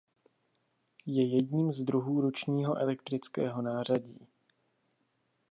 Je jedním z druhů ručního elektrického nářadí.